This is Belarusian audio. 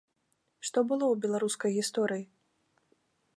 Што было ў беларускай гісторыі?